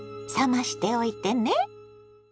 冷ましておいてね。